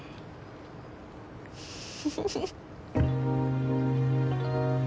フフフ。